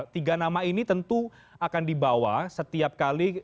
tiga nama ini tentu akan dibawa setiap kali